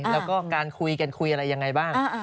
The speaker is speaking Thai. แล้วก็การคุยกันคุยอะไรยังไงบ้าง